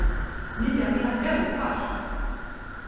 Ni är mina hjältar!